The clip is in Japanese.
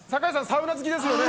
サウナ好きですよね？